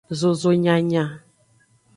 Zozo nyanya.